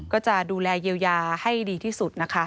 ก็จะดูแลเยียวยาให้ดีที่สุดนะคะ